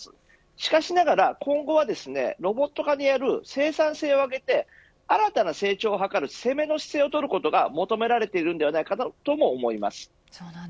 しかしながら今後はロボット化による生産性を上げて新たな成長を図る攻めの姿勢をとることが求められていると思います。